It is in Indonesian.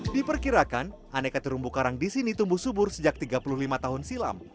diperkirakan aneka terumbu karang di sini tumbuh subur sejak tiga puluh lima tahun silam